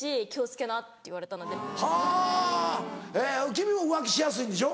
君も浮気しやすいんでしょ？